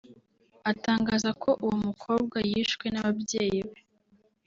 atangaza ko uwo mukobwa yishwe n’ababyeyi be